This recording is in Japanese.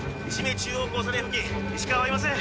中央交差点付近石川はいません。